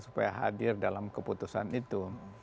supaya hadir dalam keputusan itu